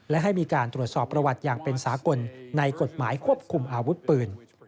และให้มีการตรวจสอบประวัติอย่างเป็นสากลในกฎหมายควบคุมอาวุธปืน